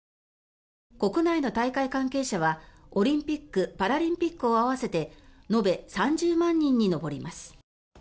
国内の大会関係者はオリンピック・パラリンピックを合わせて延べ３０万人に上ります。